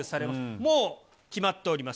もう決まっております。